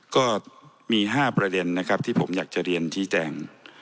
ก็มี๕ประเด็นนะครับที่ผมอยากจะเรียนชี้แจง